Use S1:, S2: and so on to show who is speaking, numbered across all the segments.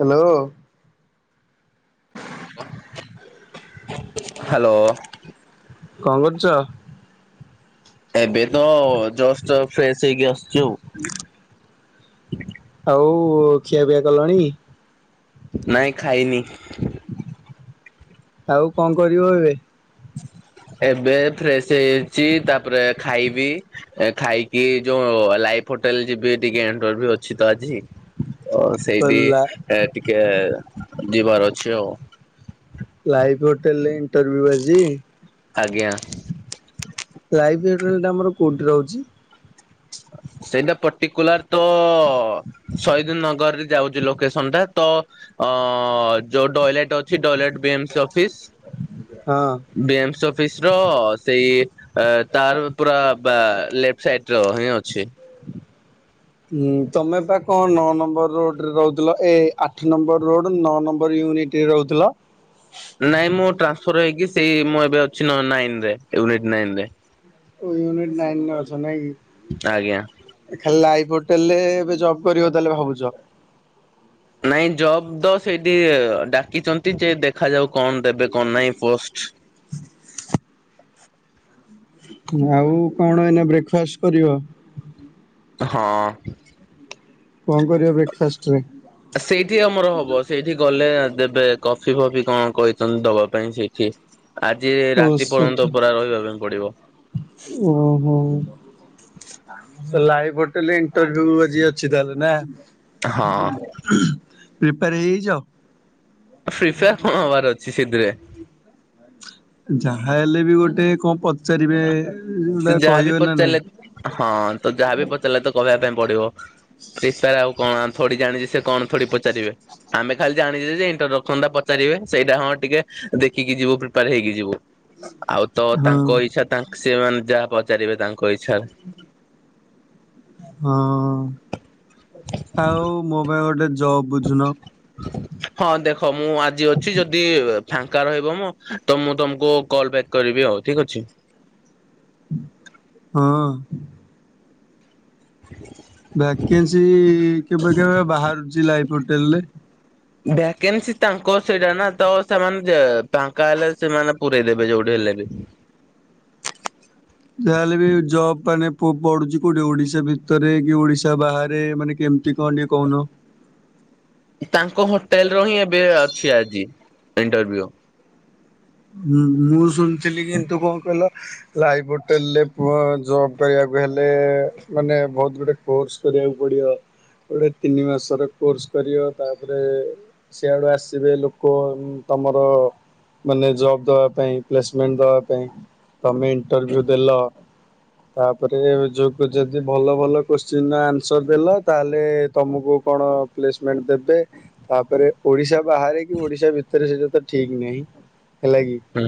S1: Hello.
S2: [inaudible] Hello.
S1: କଣ କରୁଚ?
S2: ଏବେ ତ ଜଷ୍ଟ ଫ୍ରେଶ ହେଇକି ଆସୁଛି ଆଉ।
S1: ଆଉ ଖିଆପିଆ କଲଣି?
S2: ନାଇଁ ଖାଇନି।
S1: ଆଉ କଣ କରିବ ଏବେ?
S2: ଏବେ ଫ୍ରେଶ ହେଇଯାଇଛି ତାପରେ ଖାଇବି ଖାଇକି ଯୋଉ ଲାଇଫ୍ ହୋଟେଲ ଯିବି ଟିକେ ଇଣ୍ଟରଭ୍ୟୁ ଅଛି ତ ଆଜି। ଓ ସେଇଠି
S1: ଲା
S2: ଟିକେ ଯିବାର ଅଛି ଆଉ।
S1: ତେଲେ ଇଣ୍ଟରଭ୍ୟୁ ଆଜି?
S2: ଆଜ୍ଞା।
S1: ଲାଇଫ [unintelligible] ଆମର କୋଉଠି ରହୁଛି?
S2: ସେଇଟା ପର୍ଟିକୁଲାର ତ ଶହିଦ ନଗରରେ ଯାଉଛି ଲୋକେସନ ଟା ତ ଅ ଯୋଉ ଡଏଲେଟ୍ ଅଛି ଡଏଲେଟ ବି ଏମସି ଅଫିସ୍
S1: ହଁ।
S2: B M C of office ର ସେଇ ତାର ପୁରା ଲେଫ୍ଟ ସାଇ [unintelligible] ହିଁ ଅଛି।
S1: ହୁଁ ତମେ ପା କଣ ନଅ ନମ୍ବର ରୋଡରେ ରହୁଥିଲ ଏ ଆଠ ନମ୍ବର ରୋଡ ନଅ ନମ୍ବର [unintelligible] ରହୁଥିଲ।
S2: ନାଇଁ ମୁଁ ଟ୍ରାନ୍ସଫର ହେଇକି ସେଇ ମୁଁ ଏବେ ଅଛି ନାଇନରେ ୟନିଟ ନାଇନ ରେ।
S1: ୟୁନିଟ ନାଇନ ରେ ଅଛ
S2: ଆଜ୍ଞା।
S1: ନାଇଁକି ଖାଲି ଲା ହେଲେ ଏବେ ଜବ୍ କରିବ ତାହଲେ ଭାବୁଛ।
S2: ନାଇଁ ଜବ ତ ସେଇଠି ଡାକିଛନ୍ତି ଯେ ଦେଖାଯାଉ କଣ ଦେବେ କଣ ନାହିଁ ପୋଷ୍ଟ।
S1: [inaudible] ଆଉ କଣ ଏନା ବ୍ରେକ୍ଫାଷ୍ଟ କରିବ?
S2: ହଁ।
S1: କଣ କରିବ ବ୍ରେକଫାଷ୍ଟରେ?
S2: ସେଇଠି ଆମର ହବ ସେଇଠି ଗଲେ ଦେବେ କଫି ଫଫି କଣ କହିଛନ୍ତି ଦବା ପାଇଁ ସେଇଠି ଆଜି
S1: ଓ
S2: ରାତି
S1: ସେଠି
S2: ପର୍ଯ୍ୟନ୍ତ ପୁରା ରହିବା ପାଇଁ ପଡିବ।
S1: ଓହୋ ଲାଇ ପଟିଲିଙ୍ଗ [unintelligible] ଅଛି ତାହେଲେ ନା
S2: ହଁ।
S1: ପ୍ରିପେୟାର ହେଇଯାଇଛ?
S2: ପ୍ରିପାୟାର [unintelligible] ହବାର ଅଛି ସେଥିରେ।
S1: ଯାହା ହେଲେ ବି ଗୋଟେ କଣ ପଚାରିବେ ଯୋଉଟା
S2: ସେ ଯାହାବି
S1: କହିବେ ନା ନାଇଁ।
S2: ପଚାରିଲେ ହଁ ତ ଯାହାବି ପଚାରିଲେ ତ କହିବା ପାଇଁ ପଡିବ। ପ୍ରିପ୍ୟାର ଆଉ କଣ ଥୋଡ଼ି ଜାଣିଛି ସେ କଣ ଥୋଡି ପଚାରିବେ। ଆମେ ଖାଲି ଜାଣିଛୁ ଯେ ଇଣ୍ଟର୍ଡକ୍ସନ ଟା ପଚାରିବେ। ସେଇଟା ହଁ ଟିକେ ଦେଖିକି ଯିବୁ ପ୍ରିପାର୍ ହେଇକି ଯିବୁ। ଆଉ ତ
S1: ହଁ
S2: ତାଙ୍କ ଇଚ୍ଛା ତାଙ୍କ୍ ସେମାନେ ଯାହା ପଚାରିବେ ତାଙ୍କ ଇଚ୍ଛା।
S1: ହଁ ଆଉ ମୋ ପାଇଁ ଗୋଟେ ଜବ୍ ବୁଝୁନ।
S2: ହଁ ଦେଖ ମୁଁ ଆଜି ଅଛି ଯଦି ଫାଙ୍କା ରହିବ ମ ତ ମୁଁ ତମକୁ କଲ ବ୍ୟାକ୍ କରିବି ଆଉ ଠିକ୍ ଅଛି।
S1: ହଁ। ଭାକେନ୍ସି କେବେ କେବେ ବାହାରୁଚି ଲାଇଫ ପୋଟେଲ୍ ରେ।
S2: ଭ୍ୟାକେନ୍ସି ତାଙ୍କର ସେଇଟା ନା ତ ସେମାନେ ଫାଙ୍କା ହେଲେ ସେମାନେ ପୁରେଇ ଦେବେ ଯୋଉଠି ହେଲେ। [unintelligible]
S1: ଯାହାହେଲେ ବି ଜବ୍ ମାନେ ପୁଅ ପଡୁଛି କୋଉଠି ଓଡିଶା ଭିତରେ କି ଓଡିଶା ବାହାରେ ମାନେ କେମତି କଣ ଟିକେ କହୁନ। [inaudible]
S2: ତାଙ୍କ ହୋଟେଲର ହିଁ ଏବେ ଅଛି ଆଜି ଇଣ୍ଟରଭିୟୁ।
S1: ହୁ ହୁ ମୁଁ ଶୁଣିଥିଲି କିନ୍ତୁ କଣ କହିଲ ଲାଇଭ୍ ହୋଟେଲରେ ପୁଅ ଜବ୍ ପାଇବା ପାଇଁ କୁ ହେଲେ ମାନେ ବହୁତ୍ ଗୁଡେ କୋର୍ସ କରିବାକୁ ପଡିବ। ଗୋଟେ ତିନି ମାସର କୋର୍ସ କରିବ ତାପରେ ସିଆଡୁ ଆସିବେ ଲୋକ। ତମର ମାନେ ଜବ୍ ଦବା ପାଇଁ ପ୍ଲେସମେଣ୍ଟ ଦେବା ପାଇଁ ତମେ ଇଣ୍ଟରଭ୍ୟୁ ଦେଲ ତାପରେ ଯଉକୁ ଯଦି ଭଲ ଭଲ କୋଶ୍ଚିନର ଆନ୍ସର ଦେଲ ତାହେଲେ ତମକୁ କଣ ପ୍ଲେସମେଣ୍ଟ ଦେବେ ତାପରେ ଓଡିଶା ବାହାରେ କି ଓଡିଶା ଭିତରେ ସେଇଟା ତ ଠିକ୍ ନାହିଁ। ହେଲା କି
S2: ହୁଁ।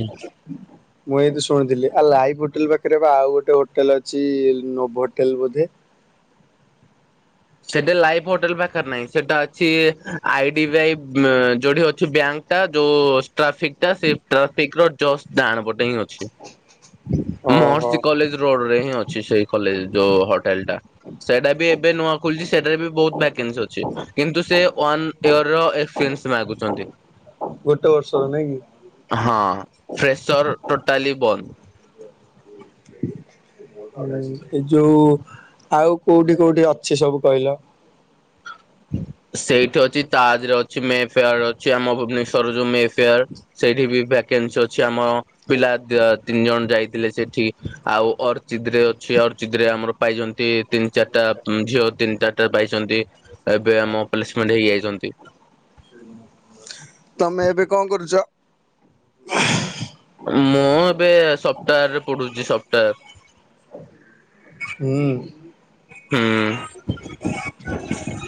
S1: ମୁଁ ଏ ଏନ୍ତି ଶୁଣିଥିଲି ଆଉ ଲାଇଭ୍ ହୋଟେଲ୍ ପାଖରେ ବା ଆଉ ଗୋଟେ ହୋଟେଲ୍ ଅଛି ନୋଭ୍ ହୋଟେଲ୍ ବୋଧେ। [inaudible]
S2: ସେଟା ଲାଇଭ୍ ହୋଟେଲ୍ ପାଖରେ ନାହିଁ। ସେଟା ଅଛି ଆଇ ଡି ବି ଆଇ ଯୋଉଠି ଅଛି ବ୍ୟାଙ୍କ ଟା ଯୋଉ ଟ୍ରାଫିକ୍ ଟା ସେ ଟ୍ରାଫିକ୍ ର ଜଷ୍ଟ ଡାହାଣପଟେ ହିଁ ଅଛି।
S1: [unintelligible]
S2: ମହର୍ଷି କଲେଜ୍ ରୋଡ୍ ରେ ହିଁ ଅଛି ସେଇ କଲେଜ୍ ଯୋଉ ହୋଟେଲ୍ ଟା ସେଇଟା ବି ଏବେ ନୂଆ ଖୋଲିଛି ସେଠାରେ ବି ବହୁତ୍ ଭାକାନ୍ସି ଅଛି। କିନ୍ତୁ ସେ ୱାନ୍ ଇଅର୍ ର ଏକ୍ସପିରିଏନ୍ସ ମାଗୁଛନ୍ତି।
S1: ଗୋଟେ ବର୍ଷ?
S2: ହଁ ଫ୍ରେସର୍ ଟୋଟାଲି ବନ୍ଦ୍।
S1: [unintelligible] ଏ ଯୋଉ ଆଉ କୋଉଠି କୋଉଠି ଅଛି ସବୁ କହିଲ? [inaudible]
S2: ସେଇଠି ଅଛି ତାଜରେ ଅଛି ମେ ଫେୟାର୍ ରେ ଅଛି ଆମ ଭୁବନେଶ୍ୱରରେ ଯୋଉ ମେ ଫେୟାର ସେଇଠି ବି ଭାକ୍ କାନ୍ସି ଅଛି ଆମ ପିଲା ଦ୍ୱ ତିନି ଜଣ ଯାଇଥିଲେ ସେଠିକି ଆଉ ଅର୍ଚିତ୍ ରେ ଅଛି ଅର୍ଚିତ୍ ରେ ଆମର ପାଇଛନ୍ତି ତିନି ଚାରିଟା ଝିଅ ତିନି ଚାରିଟା ପାଇଛନ୍ତି। ଏଵେ ଆମ ପ୍ଲେସମେଣ୍ଟ ହେଇକି ଆସିଛନ୍ତି।
S1: ତମେ ଏବେ କଣ କରୁଚ?
S2: ମୁଁ ଏବେ ସଫ୍ଟଓୱାର୍ ରେ ପଢ଼ୁଚି ସଫ୍ଟଓୱାର୍।
S1: ହୁଁ।
S2: ହୁଁ।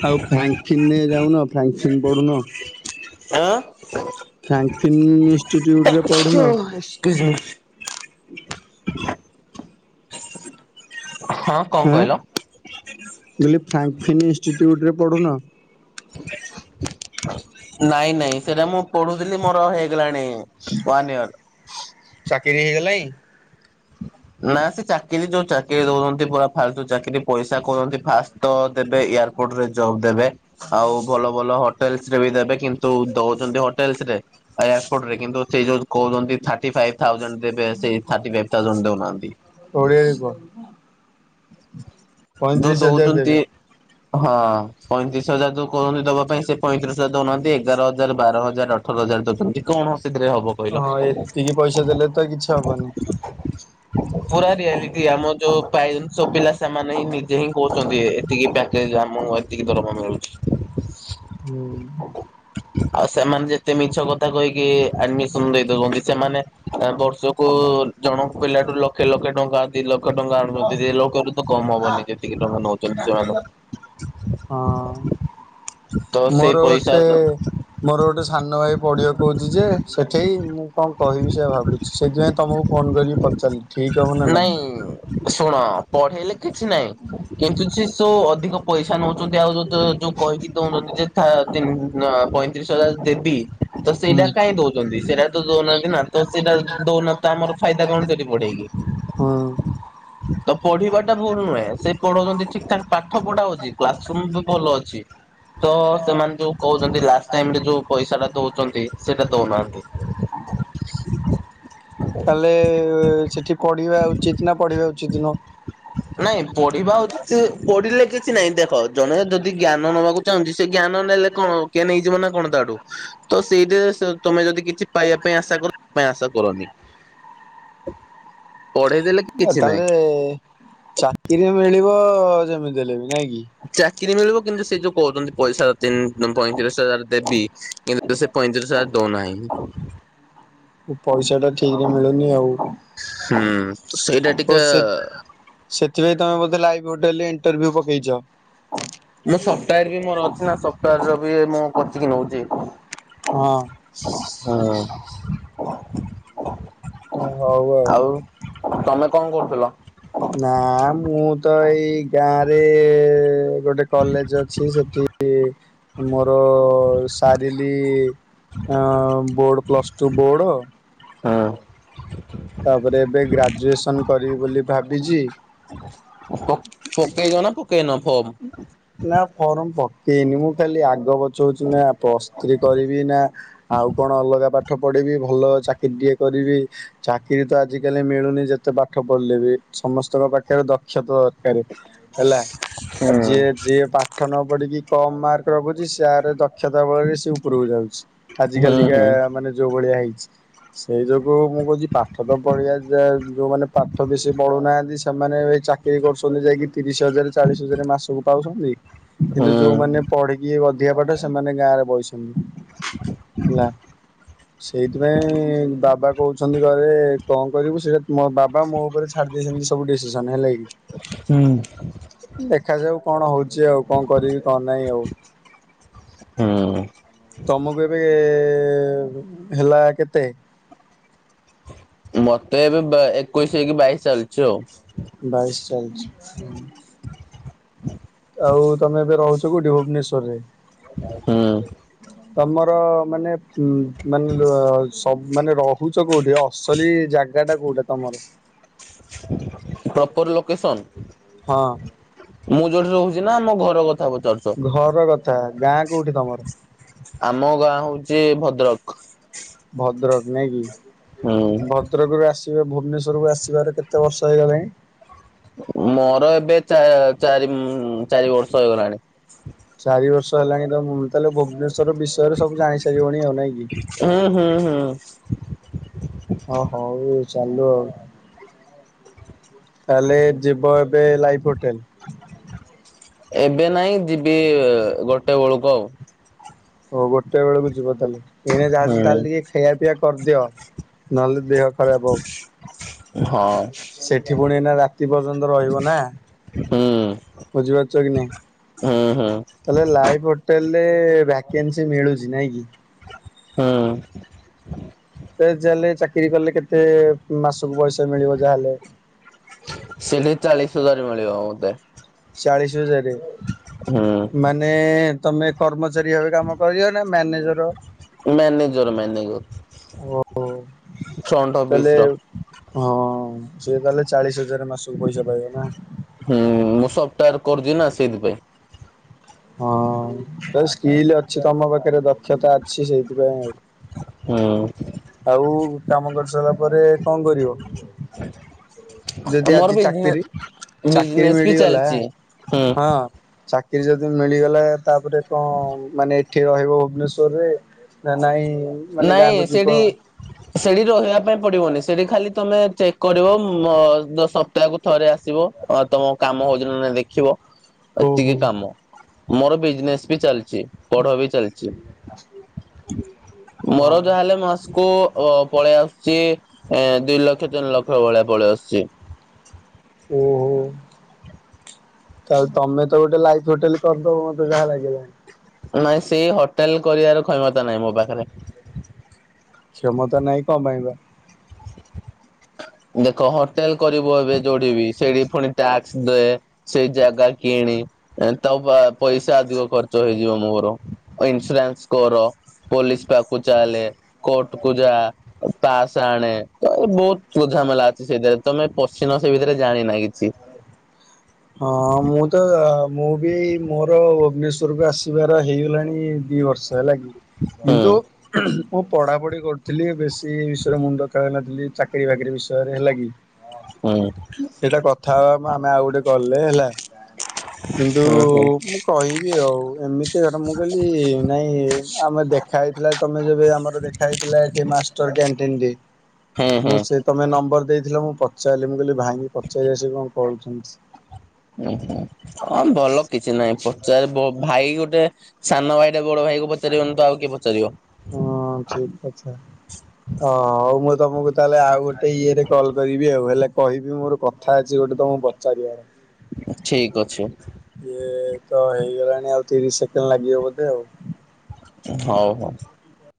S1: ଆଉ ଫ୍ରାଙ୍କିନ୍ ରେ ଯାଉନ? ଫ୍ରାଙ୍କସିନ ପଢ଼ୁନ?
S2: ଆଁ।
S1: ଫ୍ରାଙ୍କସିନ ଇନଷ୍ଟିଚ୍ୟୁଟରେ ପ
S2: ଓଃ ଏକ୍ସକ୍ୟୁଜମି
S1: [unintelligible]
S2: ହଁ କଣ କହିଲ?
S1: ଫ୍ରାଙ୍କଫିନ୍ ଇନଷ୍ଟିଚ୍ୟୁଟ୍ରରେ ପଢ଼ୁନ?
S2: ନାଇଁ ନାଇଁ ସେଟା ମୁଁ ପଢୁଥିଲି ମୋର ହେଇଗଲାଣି। One year.
S1: ଚାକିରି ହେଇଗଲାଣି।
S2: ନା ସେ ଚାକିରି ଯୋଉ ଚାକିରି ଦଉଚନ୍ତି ପୁରା ଫାଲତୁ ଚାକିରି। ପଇସା କହୁଚନ୍ତି ଫାଷ୍ଟ ତ ଦେବେ ଏୟାରପୋର୍ଟ ରେ ଜବ ଦେବେ ଆଉ ଭଲ ଭଲ ହୋ ଟେଲଶ୍ରେ ବି ଦେବେ କିନ୍ତୁ ଦଉଛନ୍ତି ହୋଟେଲସ୍ରେ ଆଉ ଏୟାରପୋର୍ଟ ରେ କିନ୍ତୁ ସେ ଯୋଉ କହୁଛନ୍ତି ଥାଟି ଫା ଇବ୍ ଥାଉଜେଣ୍ଟ ଦେବେ ସେଇ ଥାଟି ଫାଇଭି ଥାଉଜେଣ୍ଟ ଦଉନାହାନ୍ତି।
S1: ଓଡିଆରେ କୁହ
S2: ଯଉ
S1: ପଇଁତିରିଶ ହଜାର
S2: ଦଉଚନ୍ତି
S1: ଦେବେ।
S2: ହଁ ପଇଁତିରିଶ ହଜାର ଯୋଉ କହୁଚନ୍ତି ଦବା ପାଇଁ ସେ ପଇଁତିରିଶ ହଜାର ଦଉନାହାନ୍ତି ଏଗାର ହଜାର ବାର ହଜାର ଅଠର ହଜାର କଣ ସେଥିରେ ହବ କହିଲ?
S1: ହଁ ଏତିକି ପଇସା ଦେଲେ ତ କିଛି ହବନି
S2: ପୁରା ରିୟଲିଟି ଆମ ଯୋଉ ପାଇ ସବୁ ପିଲା ସେମାନେ ହିଁ ନିଜେ ହିଁ କହୁଛନ୍ତି। ଏତିକି ପ୍ୟାକେଜ ଆମକୁ ଏତିକି ଦରମା ମିଳୁଛି।
S1: ହୁଁ।
S2: ଆଉ ସେମାନେ ଯେତେ ମିଛ କଥା କହିକି ଆଡମିସନ ଦେଇ ଦଉଛନ୍ତି ସେମାନେ ବର୍ଷକୁ ଜଣଙ୍କ ପିଲାଠୁ ଲ ଏ ଲକ୍ଷେ ଟଙ୍କା ଦି ଲକ୍ଷ ଟଙ୍କା ଆଣୁଛନ୍ତି ଦି ଲକ୍ଷରୁ ତ କମ ହବନି ଯେତିକି ଟଙ୍କା ନଉଛନ୍ତି
S1: ହଁ।
S2: ସେମାନେ। ତ ସେଇ
S1: ମୋର
S2: ପଇସା
S1: ଗୋଟେ ମୋର ଗୋଟେ ସାନ ଭାଇ ପଢିବ କହୁଛି ଯେ ସେଠେଇ ମୁଁ କଣ କହିବି ସେ ଭାବୁଛି ସେଥିପାଇଁ ତମକୁ ଫୋନ କରିକି ପଚାରିଲି ଠିକ ହବ ନା ନାଇଁ
S2: ଶୁଣ ପଢେଇଲେ କିଛି ନାଇଁ କିନ୍ତୁ ସେ ସୋ ଅଧିକ ପଇସା ନଉଛନ୍ତି ଆଉ ଯୋଉ ଯୋଉ କହିକି ଦଉଛନ୍ତି ଯେ ଥା ତିନ ପଇଁତିରିଶ ହଜାର। ଦେବି। ତ ସେଇଟା
S1: ହୁଁ।
S2: କାଇଁ ଦଉଛନ୍ତି ସେଇଟା ତ ଦଉନାହାନ୍ତି ନା ତ ସେଇଟା ଦଉନା ତ ଆମର ଫାଇଦା କଣ ସେଠି ପଢେଇକି।
S1: ହଁ।
S2: ତ ପଢିବା ଟା ଭୁଲ ନୁହେଁ ସେ ପଢ ନ୍ତି ଠିକ ଠାକ ପାଠ ପଢା ଅଉଛି କ୍ଲାସ ରୁମ ବି ଭଲ ଅଛି। ତ ସେମାନେ ଯୋଉ କହୁଛନ୍ତି ଲାଷ୍ଟ ଟାଇମ ରେ ଯୋଉ ପଇସା ଟା ଦଉଛନ୍ତି ସେଇଟା ଦଉନାହାନ୍ତି।
S1: ତାହଲେଏ ସେଠି ପଢିବା ଉଚିତ ନା ପଢିବା ଉଚି
S2: ନାଇଁ ପଢିବା ଉଚିତ ପଢିଲେ କି କିଛି ନାଇଁ ଦେଖ ଜଣେ ଯଦି ଜ୍ଞାନ ନବାକୁ ଚାହୁଁନ୍ତି ସେ ଜ୍ଞାନ ନେଲେ କଣ କିଏ ନେଇଯିବ ନା କଣ ତାଠୁ। ତ ସେଇଥିରେ ତମେ ଯଦି କିଛି ପାଇବା ପାଇଁ ଆଶା କର ସେ ପାଇଁ ଆଶା କରନି। ପଢେଇ ଦେଲେ
S1: ଆ
S2: କିଛି ନାହିଁ
S1: ତାହେଲେ ଚାକିରି ମିଳିବ ଯେମିତି ହେଲେ ବି। ନାଇଁ କି?
S2: ଚାକିରି ମିଳିବ କିନ୍ତୁ ସେ ଯୋଉ କହୁଚନ୍ତି ପଇସା ପଇଁତିରିଶ ହଜାର ଦେବି କିନ୍ତୁ ସେ ପଇଁତିରିଶ ହଜାର ଦଉନାହିଁ
S1: ପଇସା ଟା ଠିକ ରେ ମିଳୁନି ଆଉ
S2: ହୁଁ ସେଇଟା
S1: ଓ ସେ
S2: ଟିକେ
S1: ସେଥିପାଇଁ ତମେ ବୋଧେ ଲାଇଭ ଗୋଟ ଲେ ଇଣ୍ଟରଭ୍ୟୁ ପକେଇଛ।
S2: ମୁଁ ସଫଟାର ବି ମୋର ଅଛି ନା ସଫ୍ଟାର ର ବି ମୁଁ କୋଚିଙ୍ଗ ନଉଚି।
S1: ହଁ
S2: ହଁ
S1: ହଉ ଆଉ।
S2: ତମେ କଣ କରୁଥିଲ?
S1: ନା ମୁଁ ତ ଏଇ ଗାଁରେ ଗୋଟେ କଲେଜ ଅଛି ସେଠି ମୋର ସାରିଲି ବୋର୍ଡ ପ୍ଲସ ଟୁ ବୋର୍ଡ
S2: ହଁ।
S1: ତାପରେ ଏବେ ଗ୍ରାଜୁଏସନ କରିବି ବୋଲି ଭାବିଛି।
S2: ପକେଇ ଯଅ ନା ପକେଇ ନ ଫର୍ମ।
S1: ଫର୍ମ ପକେଇନି ମୁଁ ଖାଲି ଆଗପଛ ହଉଛି ନା, ପ୍ଲସଥିରି କରିବି ନା ଆଉ କଣ ଅଲଗା ପାଟ ପାଠ ପଢ଼ିବି ଭଲ ଚାକିରିଟିିକଏ କରିବି ଚାକିରି ତ ଆଜିକାଲି ମିଳୁନି ଯେତେ ପାଠ ପଢ଼ିଲେ ବି। ସମସ୍ତଙ୍କ ପାଖରେ ଦକ୍ଷତା ଦରକାର ହେଲା ଆଉ ଯିଏ
S2: ହୁଁ
S1: ଯିଏ ପାଠନ ପଡ଼ିକି କମ୍ ମାର୍କ ରଖୁଛି ସାର ଦକ୍ଷତା ବଳରେ ସେ ଉପରକୁ ଯାଉଛି। ଆଜି
S2: ହୁଁ
S1: କାଲିିକା
S2: ହୁଁ।
S1: ମାନେ ଯୋଉ ଭଳିଆ ହେଇଚି। ସେଇ ଯୋଗୁ ମୁଁ କହୁଛି ପାଠ ତ ପଢିବା ଯୋଉମାନେ ପାଠ ବେଶି ପଢୁନାହାନ୍ତି ସେମାନେ ଚାକିରି କରୁଛନ୍ତି ଯାଇକି ତିରିଶ ହଜାର ଚାଳିଶ ହଜାର ମାସକୁ ପାଉଛନ୍ତି କିନ୍ତୁ ଯୋଉମାନେ ପଢିକି ଅଧିକପାଠ ସେମାନେ ଗାଁରେ ବଇସ ହୁଁ ହେଲା ସେଇଥିପାଇଁ ବାବା କହୁଛନ୍ତି ଘରେ କଣ କରିବୁ ସେଇଟା ମୋ ବାବା ମୋ ଉପରେ ଛାଡି ଦେଇେଇଛନ୍ତି ସବୁ ଡିସିସନ ହେଲାକି। ଦେଖାଯାଉ। କଣ ହଉଛି ଆଉ କଣ କରିବି କଣ ନାହିଁ ଆଉ।
S2: ହୁଁ
S1: ତମକୁ ଏବେ ହେଲା କେତେ?
S2: ମତେ ଏବେ ବା ଏକୋଇଶି ହେଇକି ବାଇଶ ଚାଲିଛି ଆଉ।
S1: ବାଇଶି ଚାଲିଛି ହୁଁ। କଉଠି ଭୁବନେଶ୍ବରରେ?
S2: ହୁଁ
S1: ତମର ମାନେ ଉ ମାନେ ସବୁ ମାନେ ରହୁଛ କୋଉଠି ଅସଲି ଜାଗା ଟା କୋଉଟା ତମର?
S2: Proper location.
S1: ହଁ
S2: ମୁଁ ଯୋଉଠି ରହୁଛି ନା ମୋ ଘର କଥା ପଚାରୁଛ?
S1: ଘର କଥା ଗାଁ କୋଉଠି ତମର?
S2: ଆମ ଗାଁ ହଉଛି ଭଦ୍ରକ।
S1: ଭଦ୍ରକ ନାଇଁ କି
S2: ହୁଁ।
S1: ଭଦ୍ରକରୁ ଆସିବେ ଭୁବ ଭୁବନେଶ୍ୱରକୁ ଆସିବାର କେତେ ବର୍ଷ ହେଇଗଲାଣି?
S2: ମୋର ଏବେ ଚା ଚାରି ଚାରି ବର୍ଷ ହେଇଗଲାଣି।
S1: ଚାରି ବର୍ଷ ହେଲାଣି ତ ମୁଁ ତାହେଲେ ଭୁବନେଶ୍ୱର ଶ୍ଵର ବିଷୟରେ ସବୁ ଜାଣି ସାରିବଣି ଆଉ ନାଇଁ କି।
S2: ହୁଁ ହୁଁ ହୁଁ।
S1: ହଁ ହଉ ଚାଲୁ ଆଉ, ତାହେଲେ ଯିବ ଏବେ ଏବେ ଲାଇଫ ହୋଟେଲ।
S2: ଏବେ ନାଇଁ ଯିବି ଗୋଟେ ବେଳକୁ ଆଉ।
S1: ଓ ଗୋଟେ ବେଳକୁ ଯିବ ତାହେଲେ, ଏଇନା ଯାହା
S2: ହୁଁ
S1: ତାହେଲେ ଟିକେ ଖାଇଆ ପିଇଆ କରିଦିଅ ନହେଲେ ଦେହ ଖରାପ ହବ।
S2: ହଁ
S1: ସେଠି ପୁଣି ଏଇନା ରାତି ପର୍ଯ୍ୟନ୍ତ ରହିବ ନା।
S2: ହୁଁ
S1: ବୁଝିପାରୁଛ କି ନାହିଁ?
S2: ହୁଁ ହୁଁ।
S1: ତାହେଲେ ଲାଇଫ ହୋଟେଲରେ ଭ୍ୟାକେନ୍ସି ମିଳୁଛି ନାଇଁ କି?
S2: ହଁ।
S1: ତ ଯା ହେଲେ ଚାକିରି କଲେ କେତେ ମାସକୁ ପଇସା ମିଳିବ ଯାହେଲେ।
S2: ସେଠି ଚାଳିଶ ହଜାର ମିଳିବ ମତେ।
S1: ଚାଳିଶ ହଜାର
S2: ହୁଁ
S1: ମାନେ ତମେ କର୍ମ ଚାରୀ ଭାବେ କାମ କରିବ ନା ମ୍ୟାନେଜର?
S2: Manager manager.
S1: ଓ
S2: ଫ୍ରଣ୍ଟ ଅଫିସ
S1: ତାହେଲେ
S2: ର
S1: ହଁ ସେ ତାହେଲେ ଚାଳି ଶ ହଜାର ମାସୁକୁ ପଇସା ପାଇବ ନା।
S2: ହୁଁ- ମୁଁ ସଫ୍ଟୱାୟର କରୁଛି ନା ସେଇଥିପାଇଁ।
S1: ହଁ ତ ସ୍କିଲ ଅଛି ତମ ପାଖରେ ଦ ଦକ୍ଷତା ଅଛି ସେଇଥିପାଇଁ ଆଉ,
S2: ହୁଁ
S1: ଆଉ କାମ କରି ସାରିଲା ପରେ କଣ କରିବ? ଯଦି
S2: ମୋର
S1: ଆଜି
S2: ବିଜନେସ
S1: ଚାକିରି, ଚାକିରି
S2: ବିଜନେସ ବି
S1: ମିଳିଗଲା
S2: ଚାଲିଛି ହୁଁ।
S1: ହଁ ଚାକି ରି ମିଳିଗଲା ତାପରେ କଣ ମାନେ ଏଠି ରହିବ ଭୁବନେଶ୍ୱରରେ ନା ନାଇଁ? ମାନେ
S2: ନାଇଁ
S1: ଗାଁକୁ ଯିବ।
S2: ସେଇଠି ସେଇଠି ରହିବା ପାଇଁ ପଡିବନି। ସେଠି ଖାଲି ତମେ ଚେକ୍ କରିବ, ସପ୍ତାହକୁ ଥରେ ଆସିବ ତମ କାମ ହଉଛି ନା ନାହିଁ ଦେଖିବ ଏତିକି
S1: ଓହୋ।
S2: କାମ ମୋର ବିଜନେସ ବି ଚାଲିଛି, ପଢା ବି ଚାଲିଛି।
S1: ଆ [unintelligible]
S2: ମୋର ଯାହାହେଲେ ମାସ କୁ ଅ ପଳେଇ ଆସୁଛି, ଦୁଇ ଲକ୍ଷ ତିନି ଲକ୍ଷ ଭଳିଆ ପଳେଇ ଆସୁଛି।
S1: ଓ ହୋ। ତାହେଲେ ତମେ ତ ଗୋଟେ ଲାଇଫ ହୋଟେଲ କରିଦବ ମତେ ଯାହା ଲାଗିଲାଣି।
S2: ନାଇଁ ସେଇ ହୋଟେଲ କରିବାର କ୍ଷମତା ନାହିଁ ମୋ ପାଖରେ।
S1: କ୍ଷମତା ନାଇଁ କଣ ପାଇଁ ବା?
S2: ଦେଖ ହୋଟେଲ କରିବୁ ଏବେ ଯୋଉଠି ବିି, ସେଇଠି ପୁଣି ଟ୍ୟାକ୍ସ ଦେ ସେଇ ଜାଗା କିଣି ତା ପଇସା ଅଧିକ ଖର୍ଚ୍ଚ ହେଇଯିବ ମୋର, ଇନ୍ସୁରାନ୍ସ କର ପୋଲିସ ପାଖକୁ ଚାଲେ, କୋର୍ଟ କୁ ଯା, ତାସ ଆଣେ, ଆ ବହୁତ ବହୁତ ଝାମେଲା ଅଛି ସେଇଥିରେ ତମେ ପସିନ ସେଇ ଭିତରେ ଜାଣିନା କିଛି।
S1: ହଁ- ମୁଁ ତ ମୁଁ ବି ମୋର ଭୁବନେ ଶ୍ୱରକୁ ଆସିବାର ହେଇଗଲାଣି ଦିଇ ବର୍ଷ ହେଲା କି
S2: ହୁଁ
S1: କିନ୍ତୁ ମୁଁ ପଢ଼ାପଢ଼ି କରୁଥିଲି ବେଶୀ ବିଷୟ ମୁଣ୍ଡ ଖେଳେଇ ନଥିଲି ଚାକିରି ବାକିରି ବିଷୟରେ ହେଲା କି।
S2: ହୁଁ
S1: ସେଇଟା କଥା ହବା ଆମେ ଆଉ ଗୋଟେ କଲ୍ ରେ ହେଲା।
S2: ହୁଁ
S1: କିନ୍ତୁ-ଉ-ଉ ମୁଁ କହିବି ଆଉ ଏମିତି ଟ ମୁଁ କହିଲି ନାଇଁ ଆମେ ଦେଖା ହେଇଥିଲା ତମେ ଯେବେ ଆମର ଦେଖା ହେଇଥିଲା ଏଠି ମାଷ୍ଟର କ୍ୟାଣ୍ଟିନ ଟି
S2: ହୁଁ
S1: ମୁଁ
S2: ହୁଁ।
S1: ସେ ତମେ ନମ୍ବର ଦେଇଥିଲ ମୁଁ ପଚାରିଲି ମୁଁ କହିଲି ଭାଇଙ୍କି ପଚାରିବା ସେ କଣ କହୁଛନ୍ତି।
S2: ଉ ହୁଁ ହଁ ଭଲ କିଛି ନାହିଁ ପଚାର ବ ଭାଇ ଗୋଟେ ସାନ ଭାଇଟା ବଡ ଭାଇକୁ ପଚାରିବନି ତ ଆଉ କିଏ ପଚାରିବ
S1: ହଁ ଠିକ ଆଛା ହଁ ଆଉ ମ ତମକୁ ତାହେଲେ ଆଉ ଗୋଟେ ଇଏରେ କଲ୍ କରିବି ଆଉ ହେଲେ କହିବି ମୋର କଥା ଅଛି ଗୋଟେ ତମକୁ ପଚାରିବାର।
S2: ଠିକ ଅଛି।
S1: ଇଏ ତ ହେଇଗଲାଣି ଆଉ ତିରିଶ ସେକେଣ୍ଡ ଲାଗିବ ବୋଧେ ଆଉ।
S2: ହଉ ହଉ।